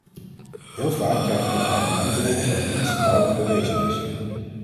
Heel vaak krijg ik het argument te horen dat niets duidelijk bewezen is.